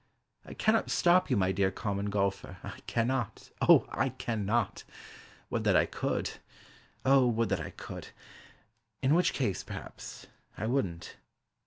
I cannot stop you, my dear Common Golfer, I cannot, O I cannot! Would that I could. O would that I could! In which case, perhaps, I wouldn't.